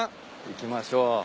行きましょう。